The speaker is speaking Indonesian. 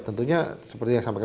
tentunya seperti yang saya katakan